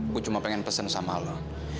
gue cuma pengen pesen sama lo